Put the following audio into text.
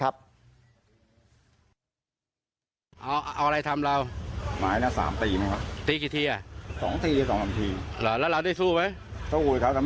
เพราะว่ารถจะไหลไปโดนกัน